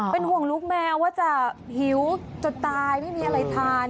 เป็นห่วงลูกแมวว่าจะหิวจนตายไม่มีอะไรทาน